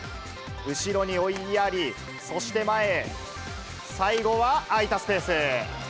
後ろに追いやり、そして前へ、最後は空いたスペース。